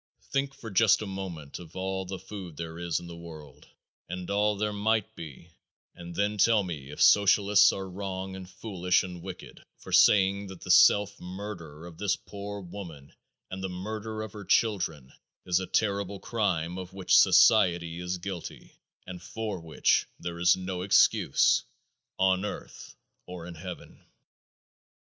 Think for just a moment of all the food there is in the world and all there might be and then tell me if socialists are wrong and foolish and wicked for saying that the self murder of this poor woman and the murder of her children is a terrible crime of which society is guilty and for which there is no excuse on earth or in heaven.